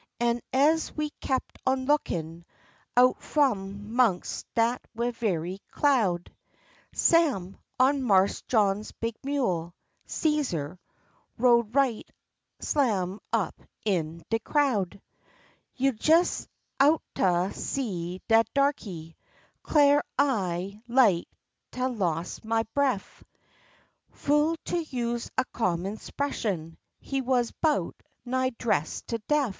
An' ez we kep' on a lookin', out f'om 'mongst dat ve'y cloud, Sam, on Marse John's big mule, Cæsar, rode right slam up in de crowd. You jes oughtah seed dat darkey, 'clar I like tah loss ma bref; Fu' to use a common 'spression, he wuz 'bout nigh dressed to def.